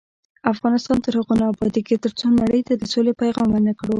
افغانستان تر هغو نه ابادیږي، ترڅو نړۍ ته د سولې پیغام ورنکړو.